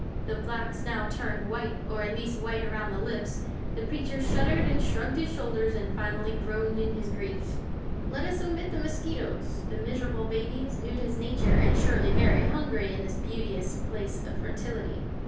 The blacks now turned white; or at least white around the lips. The preacher shuddered and shrugged his shoulders and finally groaned in his grief. [Illustration: The bear was waiting there. Page 111.] Let us omit the mosquitoes, the miserable babies, nude as nature, and surely very hungry in this beauteous place of fertility.